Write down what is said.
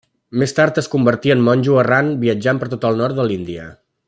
Més tard es convertí en monjo errant viatjant per tot el nord de l'Índia.